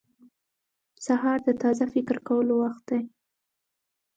• سهار د تازه فکر کولو وخت دی.